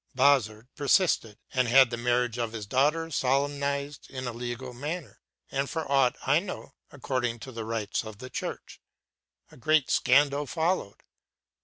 Bazard persisted, and had the marriage of his daughter solemnized in a legal manner, and for aught I know, according to the rites of the Church. A great scandal followed.